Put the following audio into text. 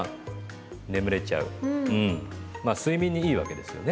まあ睡眠にいいわけですよね。